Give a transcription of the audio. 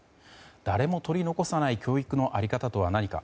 誰も取り残さない教育の在り方とは何か。